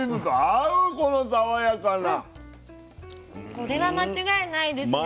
これは間違いないですね。